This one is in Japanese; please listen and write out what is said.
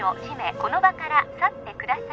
この場から去ってください